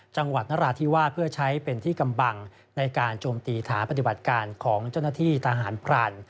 จังหวัดนราธิวาสเพื่อใช้เป็นที่กำบังในการโจมตีถาปฏิบัติการของเจ้าหน้าที่ทหารพราน